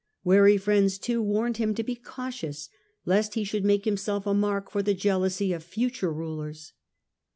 Wary friends, too, earned him to be cautious, lest he should make himself a mark for the jealousy of future rulers.